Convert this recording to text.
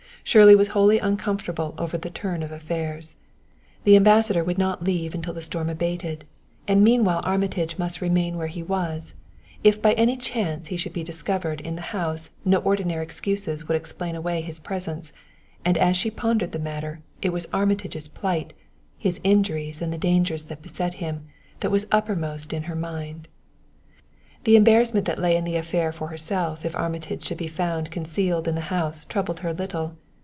Shirley was wholly uncomfortable over the turn of affairs. The Ambassador would not leave until the storm abated, and meanwhile Armitage must remain where he was. If by any chance he should be discovered in the house no ordinary excuses would explain away his presence, and as she pondered the matter, it was Armitage's plight his injuries and the dangers that beset him that was uppermost in her mind. The embarrassment that lay in the affair for herself if Armitage should be found concealed in the house troubled her little.